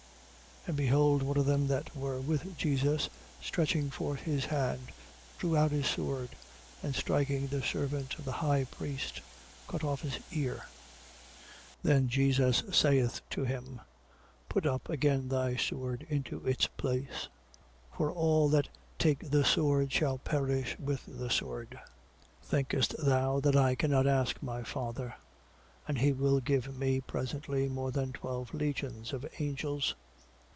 26:51. And behold one of them that were with Jesus, stretching forth his hand, drew out his sword: and striking the servant of the high priest, cut off his ear. 26:52. Then Jesus saith to him: Put up again thy sword into its place: for all that take the sword shall perish with the sword. 26:53. Thinkest thou that I cannot ask my Father, and he will give me presently more than twelve legions of angels?